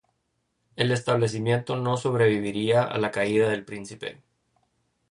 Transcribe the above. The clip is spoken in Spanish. El establecimiento no sobreviviría a la caída del príncipe.